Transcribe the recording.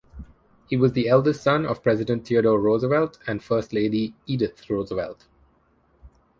He was the eldest son of President Theodore Roosevelt and First Lady Edith Roosevelt.